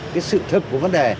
cái sự thực của vấn đề